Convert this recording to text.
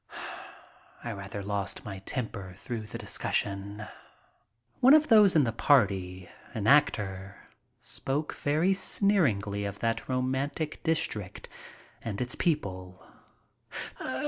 I rather lost my temper through the discussion. One of those in the party, an actor, spoke very sneeringly of that romantic district and its people.